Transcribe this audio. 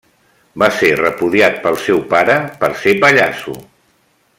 Va ser repudiat pel seu pare per ser pallasso.